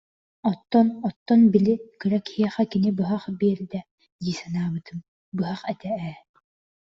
Оттон, оттон, били, кыра киһиэхэ кини быһах биэрдэ дии санаабытым, быһах этэ ээ